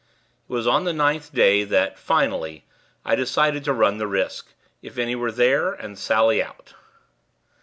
It was on the ninth day that, finally, I decided to run the risk, if any there were, and sally out.